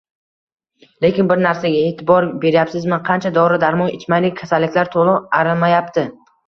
Lekin, bir narsaga e’tibor beryapsizmi: qancha dori-darmon ichmaylik, kasalliklar to‘liq arimayapti.